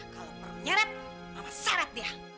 kalau perlu menyeret mama seret dia